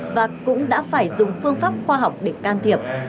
và cũng đã phải dùng phương pháp khoa học để can thiệp